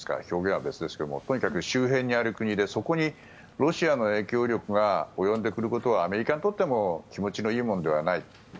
表現は別ですがとにかく周辺にある国でそこにロシアの影響力が及んでくることはアメリカにとっても気持ちのいいものではない。